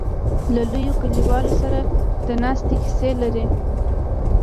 له لویو لیکوالو سره د ناستې کیسې لري.